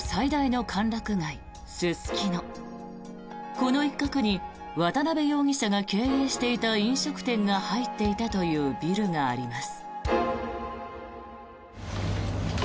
この一角に渡邉容疑者が経営していた飲食店が入っていたというビルがあります。